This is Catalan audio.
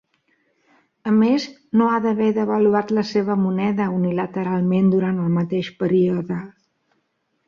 A més, no ha d'haver devaluat la seva moneda unilateralment durant el mateix període.